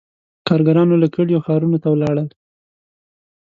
• کارګرانو له کلیو ښارونو ته ولاړل.